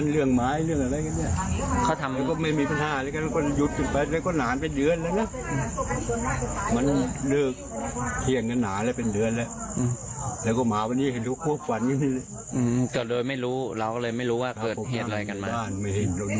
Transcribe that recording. แล้วก็เคียงกันแม้ว่าเบงไม่เท่ากันแล้วจะไงเนี่ย